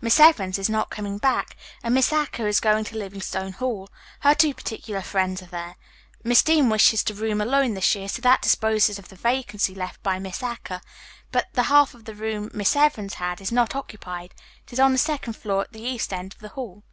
"Miss Evans is not coming back, and Miss Acker is going to Livingstone Hall. Her two particular friends are there. Miss Dean wishes to room alone this year, so that disposes of the vacancy left by Miss Acker. But the half of the room Miss Evans had is not occupied. It is on the second floor at the east end of the hall."